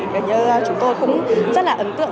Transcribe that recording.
và như chúng tôi cũng rất là ấn tượng